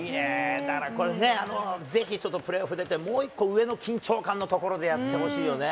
だからこれね、ぜひちょっと、プレーオフ出て、もう一個上の緊張感のところでやってほしいよね。